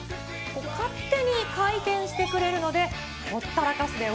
勝手に回転してくれるので、ほったらかしでＯＫ。